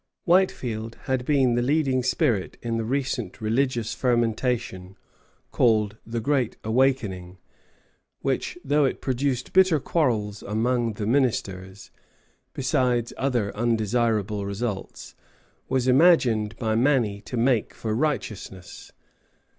Whitefield had been the leading spirit in the recent religious fermentation called the Great Awakening, which, though it produced bitter quarrels among the ministers, besides other undesirable results, was imagined by many to make for righteousness.